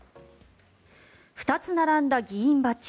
２つ並んだ議員バッジ。